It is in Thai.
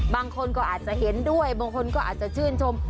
บางคนก็อาจจะเห็นด้วยบางคนก็อาจจะชื่นชม